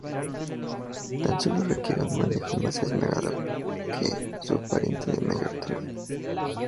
Tan solo requiere de un manejo más esmerado que su pariente de mayor tamaño.